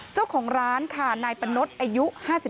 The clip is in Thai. เจ้าของร้านค่ะนายปะนดอายุ๕๓